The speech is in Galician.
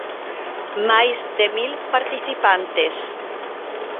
Máis de mil participantes.